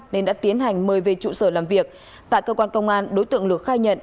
nên đã tiến hành mời về trụ sở làm việc tại cơ quan công an đối tượng lực khai nhận